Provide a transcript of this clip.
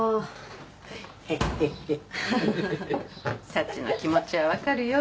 サチの気持ちはわかるよ